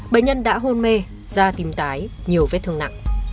bệnh nhân đã hôn mê da tím tái nhiều vết thương nặng